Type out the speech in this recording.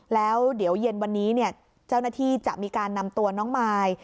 แล้วเดี๋ยวเย็นวันนี้เจ้าหน้าที่จะมีการนำตัวน้องมาย